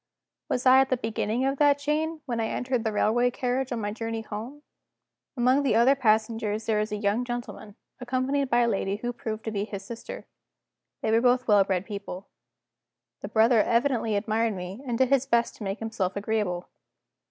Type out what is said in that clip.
Was I at the beginning of that chain, when I entered the railway carriage on my journey home? Among the other passengers there was a young gentleman, accompanied by a lady who proved to be his sister. They were both well bred people. The brother evidently admired me, and did his best to make himself agreeable.